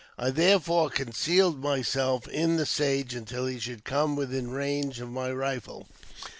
I therefore concealed myself in the sage until he should come within range of my rifle.